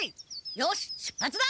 よし出発だ！